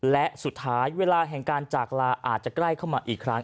และสุดท้ายเวลาแห่งการจากลาอาจจะใกล้เข้ามาอีกครั้ง